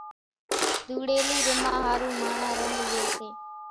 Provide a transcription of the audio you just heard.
ڌوڙيلي رميا ۿارو ماڻۿان رنڳ لئي سي